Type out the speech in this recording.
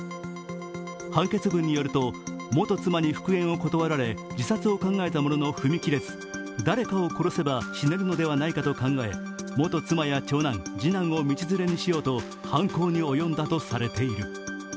判決文によると元妻に復縁を断られ自殺を考えたものの踏み切れず、誰かを殺せば死ねるのではないかと考え元妻や長男、次男を道連れにしようと犯行に及んだとされる。